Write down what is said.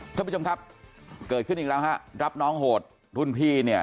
ท่านผู้ชมครับเกิดขึ้นอีกแล้วฮะรับน้องโหดรุ่นพี่เนี่ย